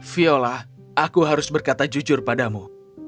viola aku harus berkata jujur padamu